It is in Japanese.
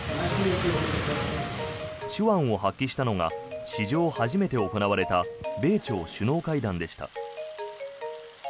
手腕を発揮したのが史上初めて行われた米朝首脳会談でした。